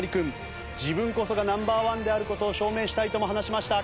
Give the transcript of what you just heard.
自分こそがナンバーワンである事を証明したいとも話しました。